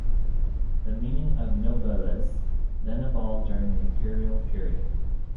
The meaning of "nobilis" then evolved during the Imperial period.